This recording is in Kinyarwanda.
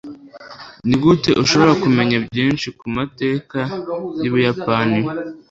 Nigute ushobora kumenya byinshi ku mateka yUbuyapani